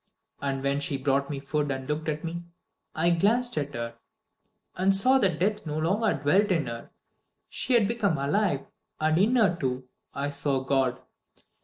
And when she brought me food and looked at me, I glanced at her and saw that death no longer dwelt in her; she had become alive, and in her, too, I saw God.